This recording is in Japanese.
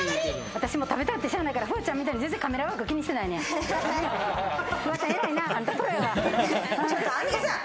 私もう食べたくてしゃあないから、フワちゃんみたいにカメラワーク気にしてないねん。